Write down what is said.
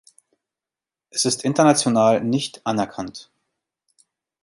Es ist international nicht anerkannt.